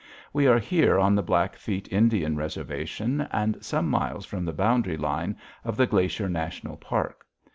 We are here on the Blackfeet Indian Reservation, and several miles from the boundary line of the Glacier National Park.